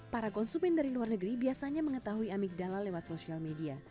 para konsumen dari luar negeri biasanya mengetahui amigdala lewat sosial media